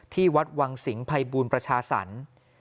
ที่วัดวังสิงห์ภัยบูรณ์ประชาสรรค์